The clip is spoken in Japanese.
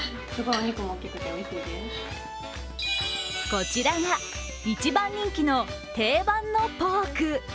こちらが一番人気の定番のポーク。